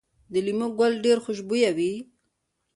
د لیمو ګل ډیر خوشبويه وي؟